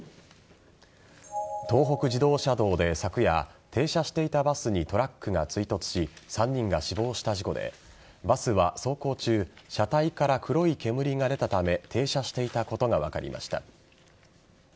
東北自動車道で昨夜停車していたバスにトラックが追突し３人が死亡した事故でバスは走行中車体から黒い煙が出たため停車していたことが分かりました。